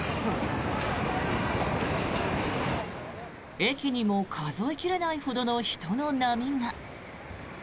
駅にも数え切れないほどの人の波が。